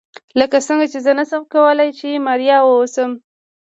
لکه څنګه چې زه نشم کولای چې مریی واوسم.